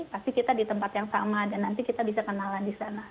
pasti kita di tempat yang sama dan nanti kita bisa kenalan di sana